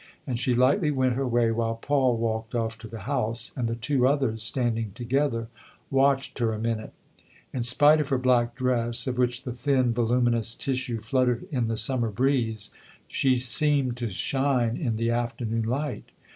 And she lightly went her way while Paul walked off to the house and the two others, standing together, watched her a minute. In spite of her black dress, of which the thin, voluminous tissue fluttered in the summer breeze, she seemed to shine in the afternoon light.